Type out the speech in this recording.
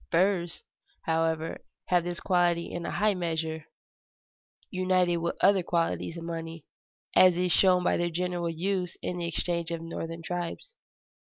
Furs, however, have this quality in a high measure, united with other qualities of money, as is shown by their general use in the exchanges of northern tribes.